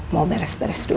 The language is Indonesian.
mau beres beres dulu